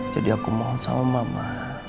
jadi aku mohon sama mama